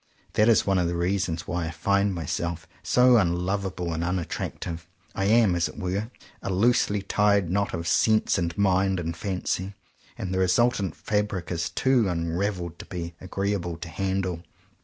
That is one of the reasons why I find my self so unlovable and unattractive. I am, as it were, a loosely tied knot of sense and mind and fancy; and the resultant fabric is too unraveled to be agreeable to handle.